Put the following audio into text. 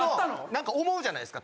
なんか思うじゃないですか。